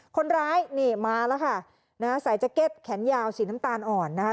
คนร้ายนี่มาแล้วค่ะนะฮะใส่แจ็คเก็ตแขนยาวสีน้ำตาลอ่อนนะคะ